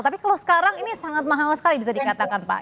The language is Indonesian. tapi kalau sekarang ini sangat mahal sekali bisa dikatakan pak